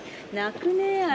なくねえ？